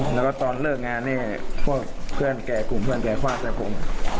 แล้วก็ตอนเลิกงานนี่พวกเพื่อนแกกลุ่มเพื่อนแกคว่าแต่ผม